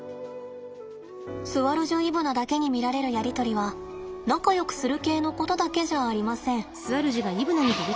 スアルジュイブナだけに見られるやり取りは仲よくする系のことだけじゃありません。